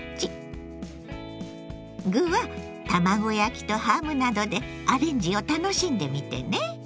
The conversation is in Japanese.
具は卵焼きとハムなどでアレンジを楽しんでみてね。